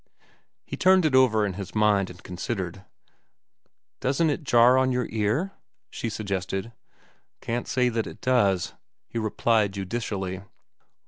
He turned it over in his mind and considered. "Doesn't it jar on your ear?" she suggested. "Can't say that it does," he replied judicially.